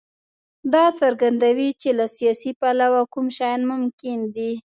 دا څرګندوي چې له سیاسي پلوه کوم شیان ممکن دي.